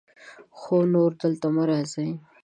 خو نور دلته مه راځئ.